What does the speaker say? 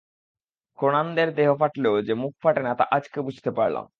ক্রোনানদের দেহ ফাটলেও যে মুখ ফাটে না, তা আজকে বুঝতে পারলাম।